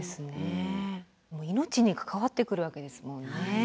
もう命に関わってくるわけですもんね。